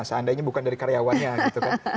seandainya bukan dari karyawannya gitu kan